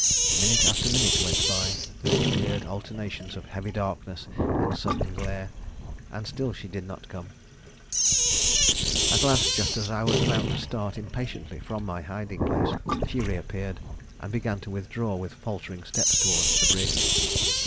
Minute after minute went by, with its weird alternations of heavy darkness and sudden glare; and still she did not come. At last, just as I was about to start impatiently from my hiding place, she reappeared, and began to withdraw with faltering steps toward the bridge.